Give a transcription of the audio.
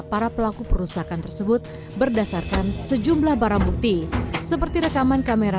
para pelaku perusakan tersebut berdasarkan sejumlah barang bukti seperti rekaman kamera